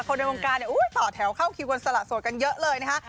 ในวงการเนี่ยต่อแถวเข้าคิวกันสละโสดกันเยอะเลยนะคะ